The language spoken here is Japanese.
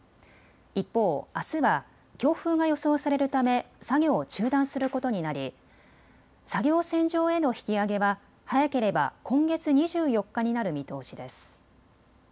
一方、あすは強風が予想されるため作業を中断することになり作業船上への引き揚げは早ければ今月２４日になる見通しです。